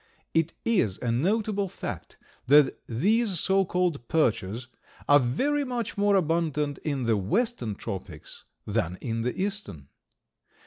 It is a notable fact that these so called "perchers" are very much more abundant in the western tropics than in the eastern.